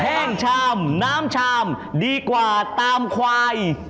แห้งชามน้ำชามดีกว่าตามควาย